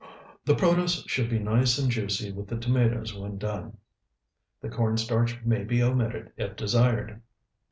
The protose should be nice and juicy with the tomatoes when done. The corn starch may be omitted if desired.